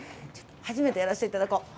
初めてやらせていただこう。